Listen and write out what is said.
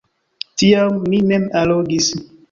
Tiam mi mem allogis.